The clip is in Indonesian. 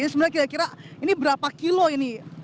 ini sebenarnya kira kira ini berapa kilo ini